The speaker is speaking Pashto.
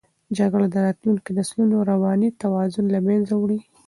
جګړه د راتلونکو نسلونو رواني توازن له منځه وړي.